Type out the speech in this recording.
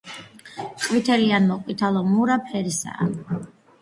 ყვითელი ან მოყვითალო-მურა ფერისაა.